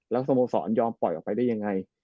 แล้วซัปเปอร์สตาร์อันยอมปล่อยออกไปได้ยังไง